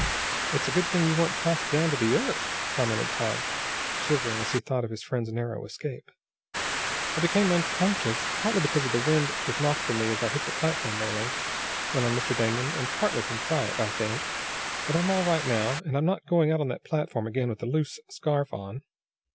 "It's a good thing you weren't tossed down to the earth," commented Tom, shivering as he thought of his friend's narrow escape. "I became unconscious, partly because the wind was knocked from me as I hit the platform railing," went on Mr. Damon, "and partly from fright, I think. But I'm all right now, and I'm not going out on that platform again with a loose scarf on."